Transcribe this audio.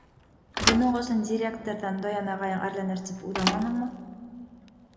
Бының өсөн директорҙан Даян ағайың әрләнер тип уйламаныңмы?